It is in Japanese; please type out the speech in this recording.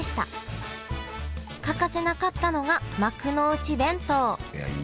欠かせなかったのが幕の内弁当。